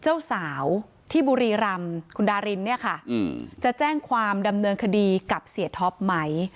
เจ้าสาวที่บุรีรำคุณดารินเนี่ยค่ะจะแจ้งความดำเนินคดีกับเสียท็อปไหม